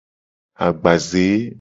Agbaze.